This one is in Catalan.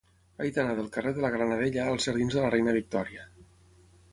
He d'anar del carrer de la Granadella als jardins de la Reina Victòria.